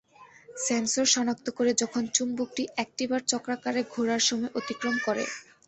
Sensor সনাক্ত করে যখন চুম্বকটি একবার চক্রাকারে ঘোরার সময় অতিক্রম করে।